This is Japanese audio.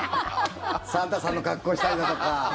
サンタさんの格好したりだとか。